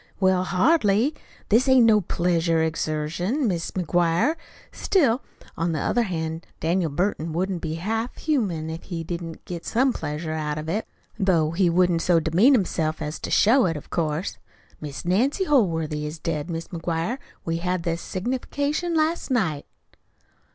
"Well, hardly. This ain't no pleasure exertion, Mis' McGuire. Still, on the other hand, Daniel Burton wouldn't be half humane if he didn't get some pleasure out of it, though he wouldn't so demean himself as to show it, of course. Mis' Nancy Holworthy is dead, Mis' McGuire. We had the signification last night."